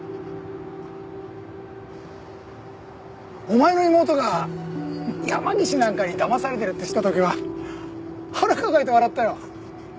お前の妹が山岸なんかにだまされてるって知った時は腹抱えて笑ったよ。